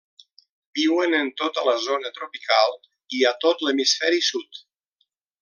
Viuen en tota la zona tropical, i a tot l'hemisferi sud.